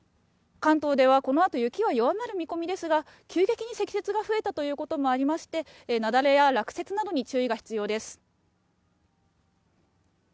関東ではこのあと、雪は弱まる見込みですが、急激に積雪が増えたということもありまして、雪崩や落雪などに注意が必要です。